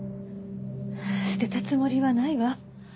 捨てたつもりはないわ。